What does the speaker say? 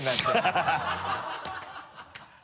ハハハ